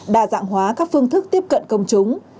đa dạng hóa các phương thức tiếp cận công chúng